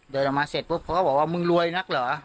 เดินออกมาเสร็จปุ๊บเขาก็บอกว่ามึงรวยนักเหรอ